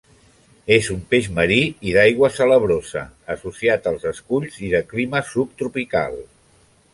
És un peix marí i d'aigua salabrosa, associat als esculls i de clima subtropical.